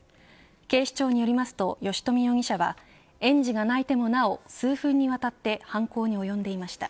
警視庁によりますと吉冨容疑者は園児が泣いてもなお数分にわたって犯行に及んでいました。